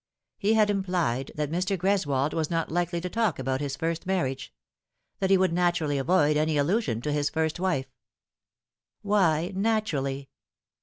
He had implied that Mr. Greswold was not likely to talk about his first marriage that he would naturally avoid any allusion to his first wife. Why naturally?